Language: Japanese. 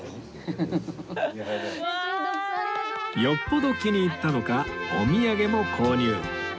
よっぽど気に入ったのかお土産も購入